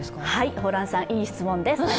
ホランさん、いい質問です。